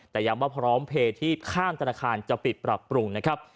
แต่ย้ำว่าพร้อมเพลย์ที่ข้ามธนาคารจะปิดปรับปรุงนะครับ